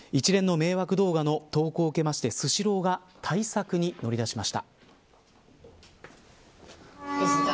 一連の迷惑動画の投稿を受けてスシローが対策に乗り出しました。